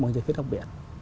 bằng trái phiếu đặc biệt